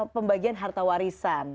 pembagian harta warisan